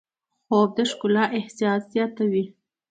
خوب د ښکلا احساس زیاتوي